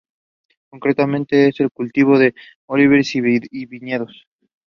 Her main task was to deal with all topics and their leading authors.